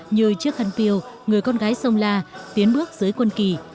như chiếc khăn piêu người con gái sông la tiến bước dưới quân kỳ